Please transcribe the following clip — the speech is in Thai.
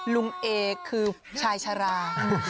ลุงเอคือชายชะลา